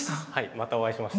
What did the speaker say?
またお会いしましたね。